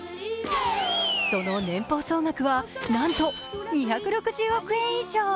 その年俸総額は、なんと２６０億円以上。